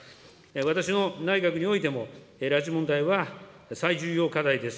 私の内閣においても、拉致問題は最重要課題です。